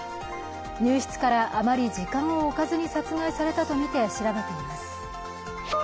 入室からあまり時間をおかずに殺害されたとみて調べています。